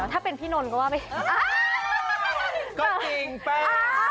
ถ้าเป็นพี่นนท์ก็ว่าไม่ใช่